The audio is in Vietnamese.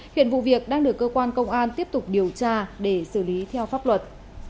hiện vụ việc đang được cơ quan công an tiếp tục điều tra để xử lý theo pháp luật